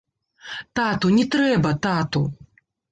Тату, не трэба, тату.